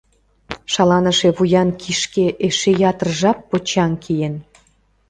Шаланыше вуян кишке эше ятыр жап почаҥ киен.